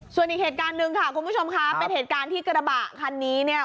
ส่วนอีกเหตุการณ์หนึ่งค่ะคุณผู้ชมค่ะเป็นเหตุการณ์ที่กระบะคันนี้เนี่ย